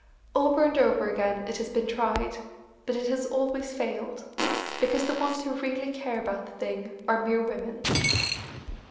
Over and over again it has been tried, but it has always failed, because the ones who really care about the thing are mere women.